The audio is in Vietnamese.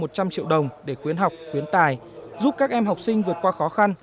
một trăm linh triệu đồng để khuyến học khuyến tài giúp các em học sinh vượt qua khó khăn